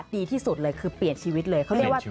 ดีที่สุดเลยคือเปลี่ยนชีวิตเลย